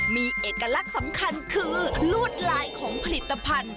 มีเอกลักษณ์สำคัญคือลวดลายของผลิตภัณฑ์